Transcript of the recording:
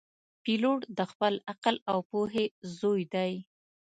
پیلوټ د خپل عقل او پوهې زوی دی.